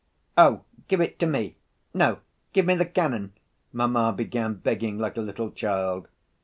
"Oh, give it to me! No, give me the cannon!" mamma began begging like a little child.